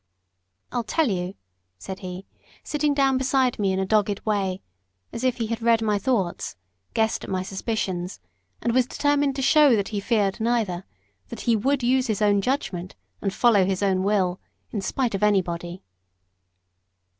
"I'll tell you," said he, sitting down beside me in a dogged way, as if he had read my thoughts, guessed at my suspicions, and was determined to show that he feared neither that he would use his own judgment, and follow his own will, in spite of anybody.